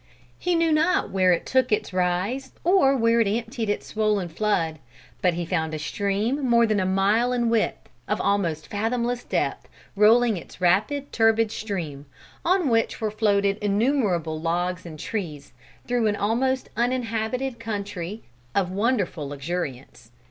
He knew not where it took its rise, or where it emptied its swollen flood. But he found a stream more than a mile in width, of almost fathomless depth, rolling its rapid, turbid stream, on which were floated innumerable logs and trees, through an almost uninhabited country of wonderful luxuriance.